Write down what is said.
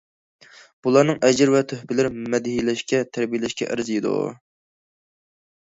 بۇلارنىڭ ئەجىر ۋە تۆھپىلىرى مەدھىيەلەشكە، تەرىپلەشكە ئەرزىيدۇ.